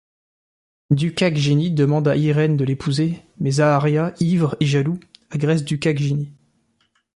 Dukagjini demande à Irene de l'épouser, mais Zaharia, ivre et jaloux, agresse Dukagjini.